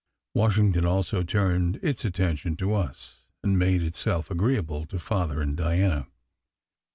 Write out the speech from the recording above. Washington also turned its attention to us, and made itself agreeable to Father and Diana.